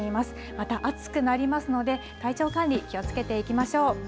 また暑くなりますので、体調管理、気をつけていきましょう。